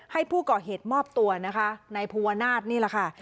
ให้ผู้เกาะเหตุมอบตัวในภูวนาท์นี่แหละค่ะ